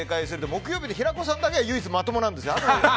木曜日は平子さんだけが唯一まともなんですよ。